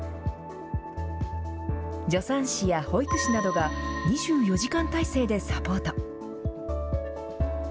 助産師や保育士などが、２４時間体制でサポート。